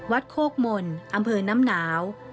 โคกมลอำเภอน้ำหนาว